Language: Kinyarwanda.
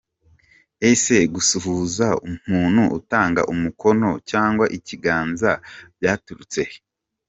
Ese gusuhuza umuntu utanga umukono cyangwa ikiganza byaturutse he?.